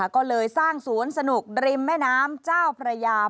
ก็เลยสร้างสวนสนุกริมแม่น้ำเจ้าพระยา